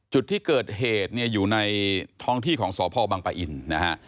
จุดที่เกิดเหตุเนี่ยอยู่ในท้องที่ของสพบังปะอินนะฮะ